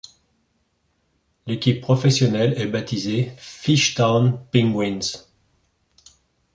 L'équipe professionnelle est baptisée Fischtown Pinguins.